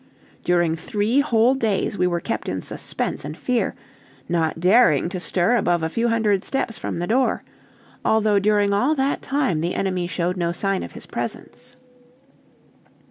During three whole days we were kept in suspense and fear, not daring to stir above a few hundred steps from the door, although during all that time the enemy showed no sign of his presence.